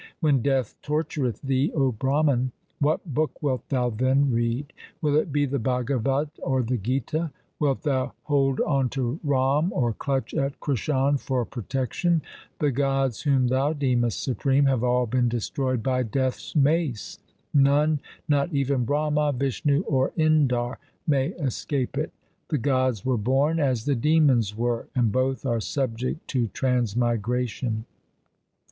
When death tortureth thee, O Brahman, what book wilt thou then read ? Will it be the Bhagavat 1 or the Gita ? Wilt thou hold on to Ram or clutch at Krishan for protection ? The gods whom thou deemest supreme have all been destroyed by Death's mace. None' — not even Brahma, Vishnu, or Indar — may escape it. The gods were born as the demons were, and both are subject to transmigration.